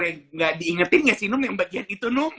aduh gak diingetin gak sih num yang bagian itu num